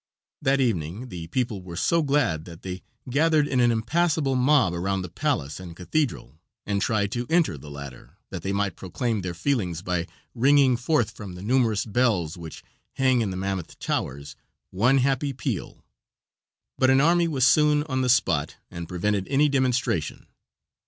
That evening the people were so glad that they gathered in an impassable mob around the palace and cathedral, and tried to enter the latter, that they might proclaim their feelings by ringing forth from the numerous bells which hang in the mammoth towers, one happy peal; but an army was soon on the spot and prevented any demonstration.